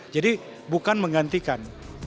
jadi bukan menggantikan